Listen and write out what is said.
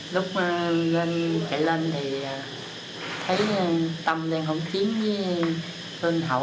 lúc anh em chạy lên thì thấy tâm đang hỗn chiến với tên hậu